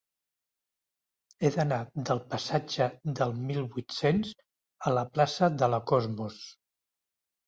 He d'anar del passatge del Mil vuit-cents a la plaça de la Cosmos.